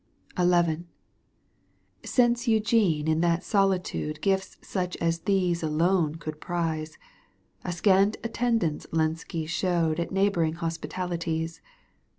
XI. Since Eugene in that solitude Gifts such as these alone could prize, A scant attendance Lenski showed л At neighbouring hospitalities.